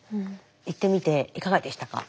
行ってみていかがでしたか？